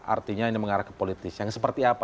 artinya ini mengarah ke politis yang seperti apa